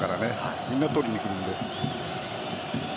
みんな取りに来るので。